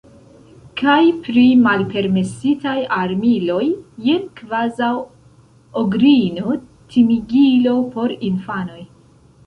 Kaj pri malpermesitaj armiloj – jen kvazaŭ ogrino, timigilo por infanoj.